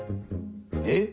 えっ？